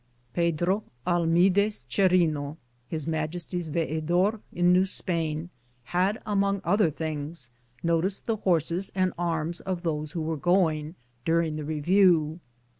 Pedro Almidez Cherino, His Majesty's veedor in New Spain, had, among other things, noted the horses and arms of those who were going, during the review.